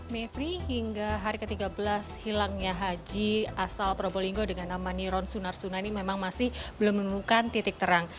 mevri hingga hari ke tiga belas hilangnya haji asal probolinggo dengan nama niron sunarsuna ini memang masih belum menemukan titik terang